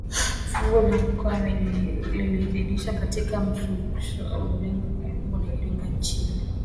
Fuvu la Mkwawa limehifadhiwa katika Makumbusho ya Kalenga karibu na Iringa nchini Tanzania